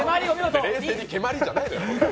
冷静に毛まりじゃないのよ